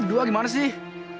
lo dua gimana sih